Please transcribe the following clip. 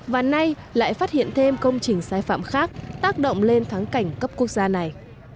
và nay lại phát hiện thêm công trình sai phạm khác tác động lên thắng cảnh cấp quốc gia này